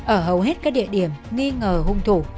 ở hầu hết các địa điểm nghi ngờ hung thủ